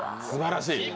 すばらしい！